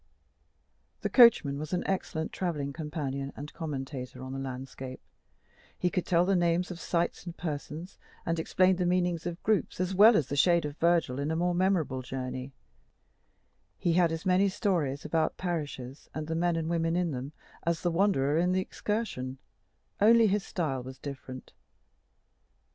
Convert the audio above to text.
The coachman was an excellent travelling companion and commentator on the landscape: he could tell the names of sites and persons, and explain the meaning of groups, as well as the shade of Virgil in a more memorable journey; he had as many stories about parishes, and the men and women in them, as the Wanderer in the "Excursion," only his style was different.